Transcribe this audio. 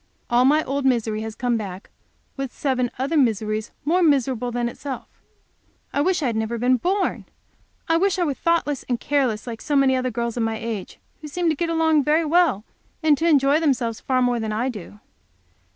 All my old misery has come back with seven other miseries more miserable than itself. I wish I had never been born! I wish I were thoughtless and careless, like so many other girls of my age, who seem to get along very well, and to enjoy themselves far more than I do.